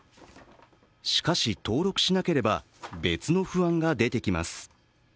しかし、登録しなければ別の不安が出てきます。